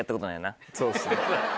そうっすね。